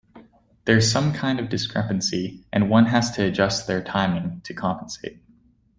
There's some kind of discrepancy, and one has to adjust their timing to compensate.